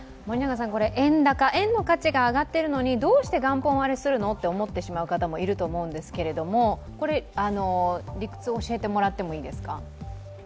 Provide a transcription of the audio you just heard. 円高、円の価値が上がっているのにどうして元本割れするのって思ってらっしゃる方もいると思うんですけれども理屈を教えてもらってもいいですか。